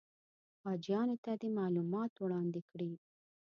حاجیانو ته دې معلومات وړاندې کړي.